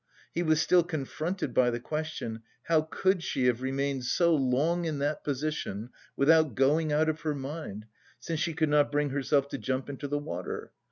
He was still confronted by the question, how could she have remained so long in that position without going out of her mind, since she could not bring herself to jump into the water?